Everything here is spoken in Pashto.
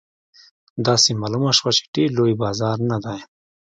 داسې معلومه شوه چې ډېر لوی بازار نه دی.